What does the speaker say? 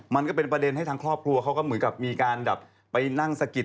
มันก็เป็นประเด็นให้ทางครอบครัวเขาก็เหมือนกับมีการแบบไปนั่งสะกิด